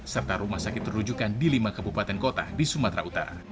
serta rumah sakit terujukan di lima kebupaten kota di sumatera utara